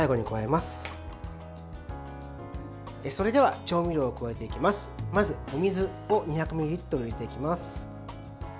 まず、お水を２００ミリリットル入れていきます。